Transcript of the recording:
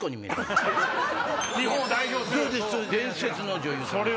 伝説の女優さん。